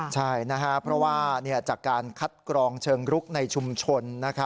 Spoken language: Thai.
ใช่นะครับเพราะว่าจากการคัดกรองเชิงรุกในชุมชน